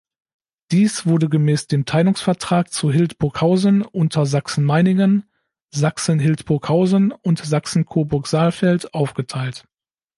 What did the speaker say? Dies wurde gemäß dem Teilungsvertrag zu Hildburghausen unter Sachsen-Meiningen, Sachsen-Hildburghausen und Sachsen-Coburg-Saalfeld aufgeteilt.